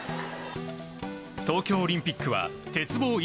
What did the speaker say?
東京オリンピックは鉄棒